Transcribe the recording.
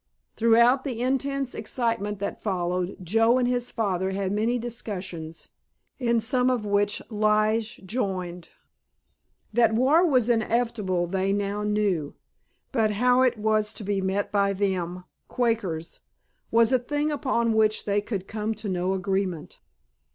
Throughout the intense excitement that followed Joe and his father had many discussions, in some of which Lige joined. That war was inevitable they now knew. But how it was to be met by them—Quakers—was a thing upon which they could come to no agreement.